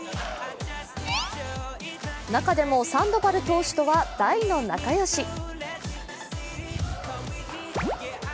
中でも、サンドバル投手とは大の仲よし。